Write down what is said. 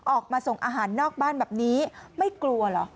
ออกมาส่งอาหารนอกบ้านแบบนี้ไม่กลัวเหรอ